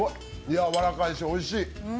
やわらかいしおいしい。